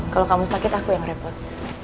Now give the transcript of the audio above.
kalau kamu sakit aku yang repot